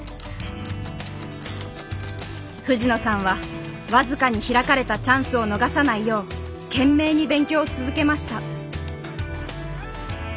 藤野さんは僅かに開かれたチャンスを逃さないよう懸命に勉強を続けました。